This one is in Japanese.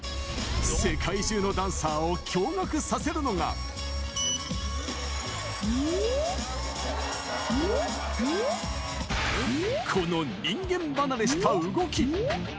世界中のダンサーを驚がくさせるのが、この人間離れした動き。